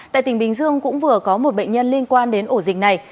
tại tỉnh bình dương cũng vừa có một bệnh nhân liên quan đến ổ dịch này